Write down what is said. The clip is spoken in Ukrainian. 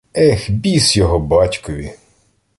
Ех, біс його батькові!